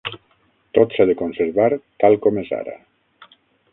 Tot s'ha de conservar tal com és ara.